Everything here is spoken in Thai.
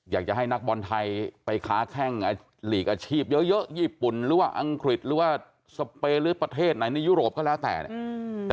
อยากจะให้นักบอลไทยไปค้าแข้งอาชีพเยอะ